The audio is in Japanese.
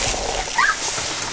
あっ！